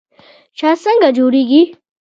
شات څنګه جوړیږي؟